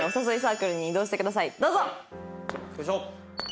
よいしょ！